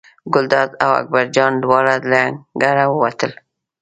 ګلداد او اکبر جان دواړه له انګړه ووتل.